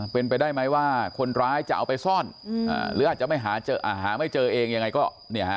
เป็นไปได้ไหมว่าคนร้ายจะเอาไปซ่อนหรืออาจจะไม่หาไม่เจอเองยังไงก็เนี่ยฮะ